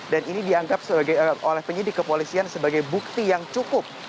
dan ini dianggap oleh penyidik kepolisian sebagai bukti yang cukup